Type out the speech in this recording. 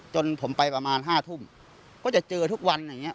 จนผมไปประมาณ๕ทุ่มก็จะเจอทุกวันอย่างนี้